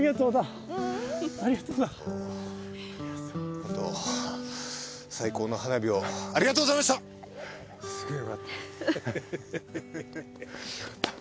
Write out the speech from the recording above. ホント最高の花火をありがとうございました。